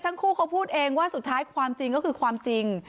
ทั้งคู่เขาพูดเองว่าสุดท้ายความจริงก็คือความจริง